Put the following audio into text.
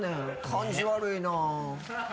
感じ悪いな。